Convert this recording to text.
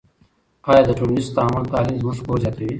آیا د ټولنیز تعامل تحلیل زموږ پوهه زیاتوي؟